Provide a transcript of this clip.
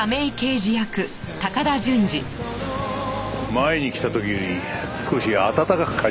前に来た時より少し暖かく感じるね。